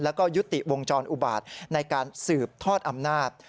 แล้วก็ยุติวงจรอุบาตในการสืบทอดอำนาจ